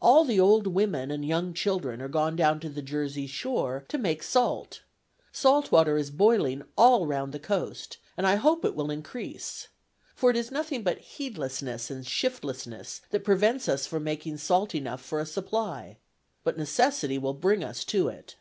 All the old women and young children are gone down to the Jersey shore to make salt. Salt water is boiling all round the coast, and I hope it will increase. For it is nothing but heedlessness and shiftlessness that prevents us from making salt enough for a supply. But necessity will bring us to it.